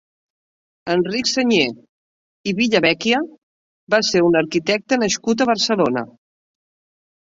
Enric Sagnier i Villavecchia va ser un arquitecte nascut a Barcelona.